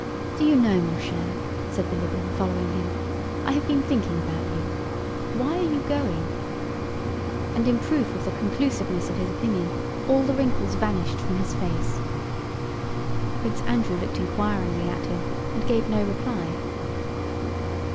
"Do you know, mon cher," said Bilíbin following him, "I have been thinking about you. Why are you going?" And in proof of the conclusiveness of his opinion all the wrinkles vanished from his face. Prince Andrew looked inquiringly at him and gave no reply.